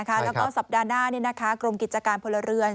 แล้วก็สัปดาห์หน้ากรมกิจการพลเรือน